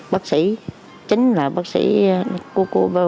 bác sĩ chính là cô bác sĩ ở đây